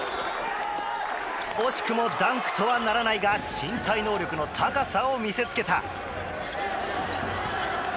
惜しくもダンクとはならないが身体能力の高さを見せつけた。